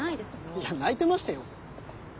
いや泣いてましたよ。